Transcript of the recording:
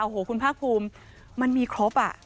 โอ้โหคุณภาคภูมิมันมีครบ